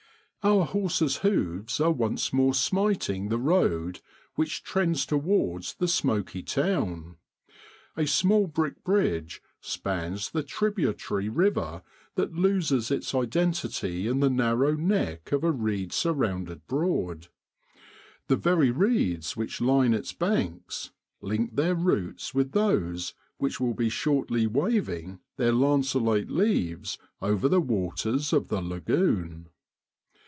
Our horse's hoofs are once more smiting the road which trends towards the smoky town. A small brick bridge spans the tributary river that loses its identity in the narrow neck of a reed surrounded Broad. The very reeds which line its banks link their roots with those which will be shortly wav ing their lanceolate leaves over the waters of the lagoon.